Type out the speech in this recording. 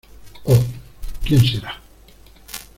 ¡ oh!... ¿ quién será?